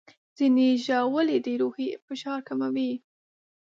ځینې ژاولې د روحي فشار کموي.